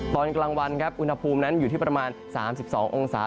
ตอนกลางวันครับอุณหภูมินั้นอยู่ที่ประมาณ๓๒องศา